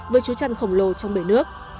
với chú trăn khổng lồ trong bể nước